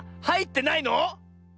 はいってないの⁉